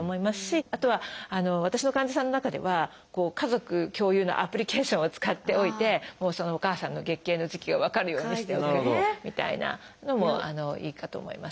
あとは私の患者さんの中では家族共有のアプリケーションを使っておいてそのお母さんの月経の時期を分かるようにしておけるみたいなのもいいかと思います。